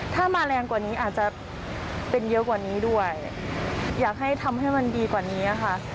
ถ้ามาแรงกว่านี้อาจจะเป็นเยอะกว่านี้ด้วยอยากให้ทำให้มันดีกว่านี้ค่ะ